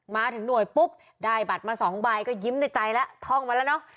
มาถึงหน่วยปุ๊บได้บัตรมาสองใบก็ยิ้มในใจแล้วท่องมาแล้วเนอะ